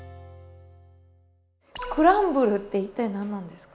クランブルって一体何ですか？